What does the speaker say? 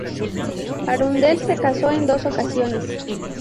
Arundel se casó en dos ocasiones.